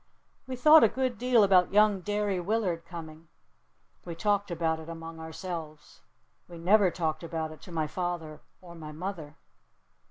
We thought a good deal about young Derry Willard coming. We talked about it among ourselves. We never talked about it to my father or my mother.